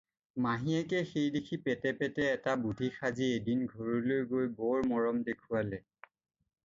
মাহীয়েকে সেইদেখি পেটে পেটে এটা বুধি সাজি এদিন ঘৰলৈ গৈ বৰ মৰম দেখুৱালে।